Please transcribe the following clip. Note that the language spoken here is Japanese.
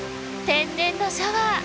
天然のシャワー！